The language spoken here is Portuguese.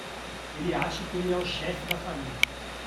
Ele acha que ele é o chefe da família.